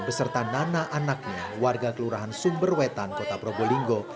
beserta nana anaknya warga kelurahan sumberwetan kota probolinggo